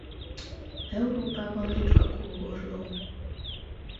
Európában ritka kóborló.